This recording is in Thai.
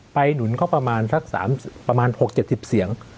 ไปหนุนเขาประมาณสักสามประมาณหกเจ็บสิบเสียง